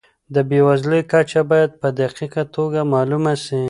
د بېوزلۍ کچه باید په دقیقه توګه معلومه سي.